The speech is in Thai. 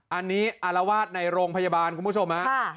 อันนี้อารวาสในโรงพยาบาลคุณผู้ชมฮะ